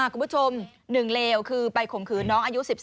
คุณผู้ชม๑เลวคือไปข่มขืนน้องอายุ๑๓